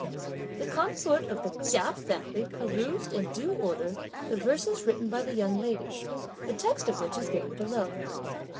The consort of the Chia family perused in due order the verses written by the young ladies, the text of which is given below.